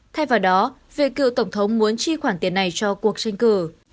thay vào đó việc cựu tổng thống muốn chi khoản tiền này cho cuộc tranh cử